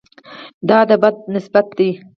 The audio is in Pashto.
دا د بد نسبت ده.